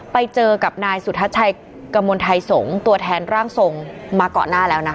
ไปเจอกับนายสุทัศน์ชายกระมวลไทยสงตัวแทนร่างสงมาก่อนหน้าแล้วนะ